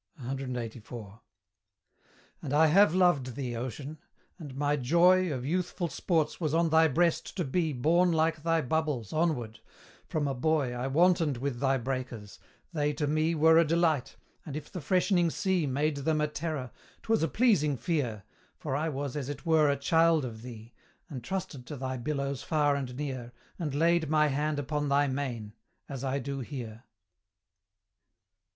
CLXXXIV. And I have loved thee, Ocean! and my joy Of youthful sports was on thy breast to be Borne like thy bubbles, onward: from a boy I wantoned with thy breakers they to me Were a delight; and if the freshening sea Made them a terror 'twas a pleasing fear, For I was as it were a child of thee, And trusted to thy billows far and near, And laid my hand upon thy mane as I do here.